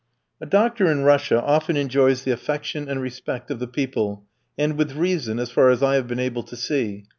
A doctor in Russia often enjoys the affection and respect of the people, and with reason, as far as I have been able to see.